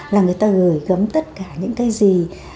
là người ta gửi gấm tất cả những cái gì